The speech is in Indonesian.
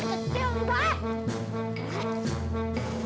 hah lagu banget lo